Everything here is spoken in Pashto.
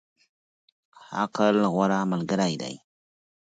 عقل، غوره ملګری دی.